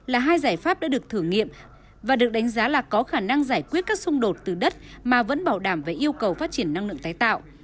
là hai giải pháp đã được thử nghiệm và được đánh giá là có khả năng giải quyết các xung đột từ đất mà vẫn bảo đảm về yêu cầu phát triển năng lượng tái tạo